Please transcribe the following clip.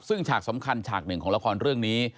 ซึ่งฉากสำคัญฉากหนึ่งของละครเรื่องนี้